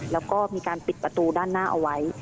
แล้วก็มีการปิดประตูด้านหน้าเอาไว้